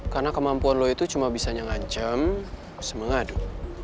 karena kemampuan lo itu cuma bisa ngancam bisa mengadu